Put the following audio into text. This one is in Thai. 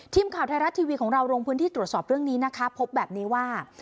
ทีมข่าวไทยรัฐทีวีของเราลงพื้นที่ตรวจสอบเรื่องนี้นะคะพบแบบนี้ว่า